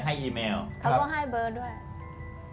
เค้าก็ให้เบอร์ด้วย